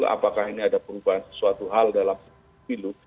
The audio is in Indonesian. apakah ini ada perubahan suatu hal dalam pemilu